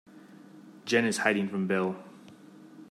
Jen is hiding from Bill.